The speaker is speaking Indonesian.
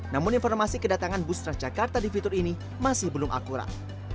namun informasi kedatangan bus transjakarta di fitur ini masih belum akurat